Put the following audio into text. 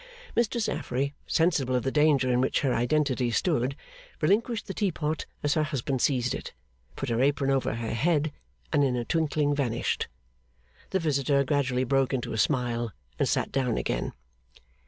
Mistress Affery, sensible of the danger in which her identity stood, relinquished the tea pot as her husband seized it, put her apron over her head, and in a twinkling vanished. The visitor gradually broke into a smile, and sat down again.